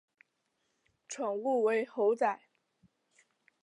宠物为猴仔。